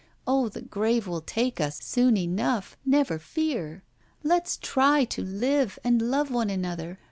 Oh! the grave will take us soon enough, never fear. Let's try to live, and love one another.